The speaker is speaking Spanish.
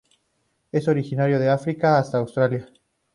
Es originario de África hasta Australia.